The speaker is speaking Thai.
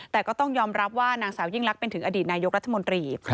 แต่ก็ต้องยอมรับว่านางสาวยิ่งลักษณ์เป็นถึงอดีตนายกรัฐมนตรี